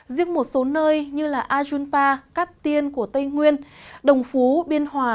riêng một số nơi như ajunpa cát tiên của tây nguyên đồng phú biên hòa